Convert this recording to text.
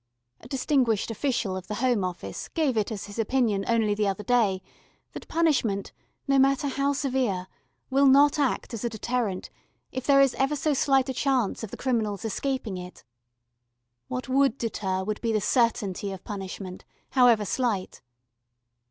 A distinguished official of the Home Office gave it as his opinion only the other day that punishment, no matter how severe, will not act as a deterrent, if there is ever so slight a chance of the criminal's escaping it. What would deter would be the certainty of punishment, however slight.